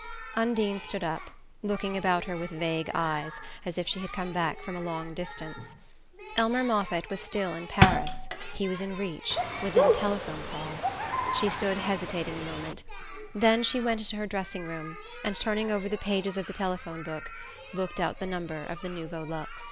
Undine stood up, looking about her with vague eyes, as if she had come back from a long distance. Elmer Moffatt was still in Paris he was in reach, within telephone call. She stood hesitating a moment; then she went into her dressing room, and turning over the pages of the telephone book, looked out the number of the Nouveau Luxe....